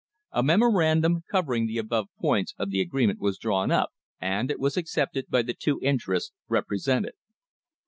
A memorandum covering the above points of the agreement was drawn up, and it was accepted by the two interests represented.